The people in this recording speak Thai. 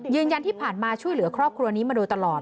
ยืนยันที่ผ่านมาช่วยเหลือครอบครัวนี้มาโดยตลอด